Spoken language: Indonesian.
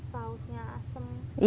yang sausnya asam